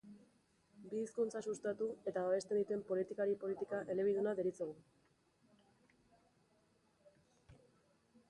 Bi hizkuntza sustatu eta babesten dituen politikari politika elebiduna deritzogu.